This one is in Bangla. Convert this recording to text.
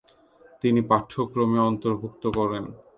তিনি পাঠ্যক্রমে অন্তর্ভুক্ত করেন।